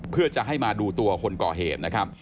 เพื่อจะให้มาดูตัวคนก่อเหตุนะครับ